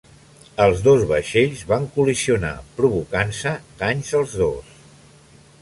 Els dos vaixells van col·lisionar, provocant-se danys els dos.